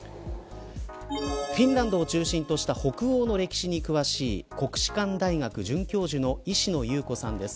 フィンランドを中心とした北欧の歴史に詳しい国士舘大学准教授の石野裕子さんです。